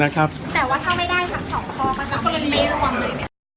แต่ว่าถ้าไม่ได้ทั้งสองข้อมันก็ไม่ความเหนื่อย